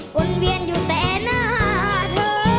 วนเวียนอยู่แต่หน้าเธอ